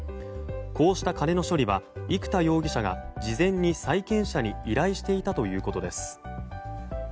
こうした金の処理は生田容疑者が事前に債権者に依頼していたということです。